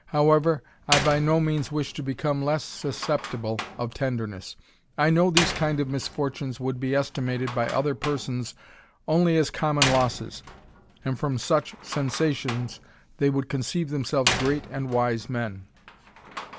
However, I by no means wish to become less sns* ceptible of tenderness. I know these kind of misfortunes would be estimated by other persons only as common losses, and from such sensations they would conceive themselves great and wise men.